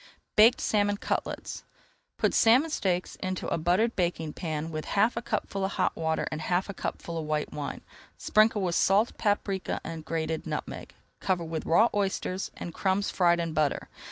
BAKED SALMON CUTLETS Put salmon steaks into a buttered baking pan with half a cupful of hot water and half a cupful of white wine. Sprinkle with salt, paprika, and grated nutmeg. Cover with raw oysters and crumbs fried in butter.